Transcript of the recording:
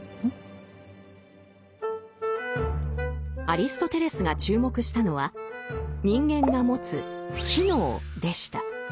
アリストテレスが注目したのは人間が持つ「機能」でした。